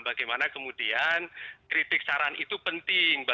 bagaimana kemudian kritik saran itu penting